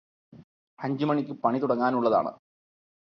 അഞ്ചു മണിക്ക് പണി തുടങ്ങാനുള്ളതാണ്